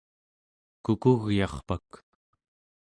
Kukugyarpak